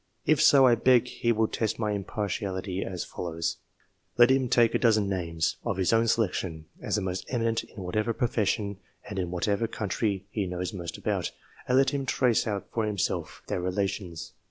If so, I beg he will test my impartiality as follows : Let him take a dozen names of his own selection, as the most eminent in whatever pro fession and in whatever country he knows most about, and let him trace out for himself their relations.